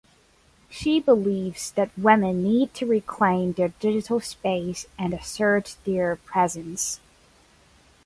She believes that women need to reclaim their digital space and "assert their presence".